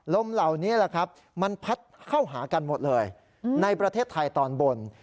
ลมเหล่านี้แหละครับมันพัดเข้าหากันหมดเลยในประเทศไทยตอนบน